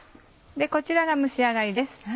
こちらが蒸し上がりです。